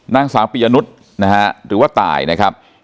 นางสาบปิญญาณุษย์นะครับถือว่าตายนะครับ